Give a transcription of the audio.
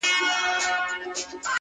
ای د نشې د سمرقند او بُخارا لوري.